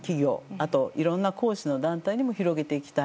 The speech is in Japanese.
あと、いろんな公私の団体にも広げていきたい。